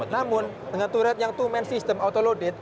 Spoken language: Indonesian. namun dengan turret yang two man system auto loaded